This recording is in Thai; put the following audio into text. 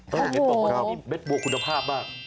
แม็ดบัวคุณภาพบ้าง